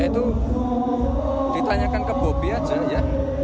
tanyakan ke bobi aja ya